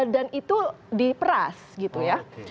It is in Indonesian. dan itu diperas gitu ya